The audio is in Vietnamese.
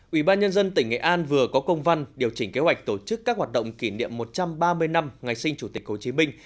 ủy ban nhân dân tỉnh nghệ an vừa có công văn điều chỉnh kế hoạch tổ chức các hoạt động kỷ niệm một trăm ba mươi năm ngày sinh chủ tịch hồ chí minh